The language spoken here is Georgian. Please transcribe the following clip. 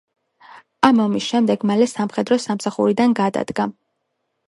ამ ომის შემდეგ მალე სამხედრო სამსახურიდან გადადგა.